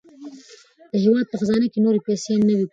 د هېواد په خزانې کې نورې پیسې نه وې پاتې.